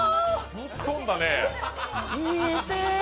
吹っ飛んだね。